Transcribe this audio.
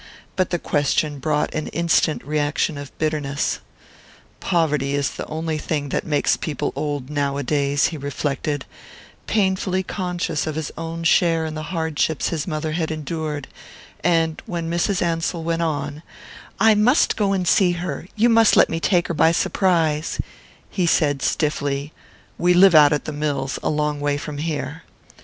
But the question brought an instant reaction of bitterness. "Poverty is the only thing that makes people old nowadays," he reflected, painfully conscious of his own share in the hardships his mother had endured; and when Mrs. Ansell went on: "I must go and see her you must let me take her by surprise," he said stiffly: "We live out at the mills, a long way from here."